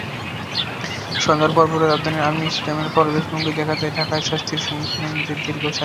সন্ধ্যার পরপরই রাজধানীর আর্মি স্টেডিয়ামের প্রবেশমুখগুলোয় দেখা যায় ঢাকার শাস্ত্রীয় সংগীতপ্রেমীদের দীর্ঘ সারি।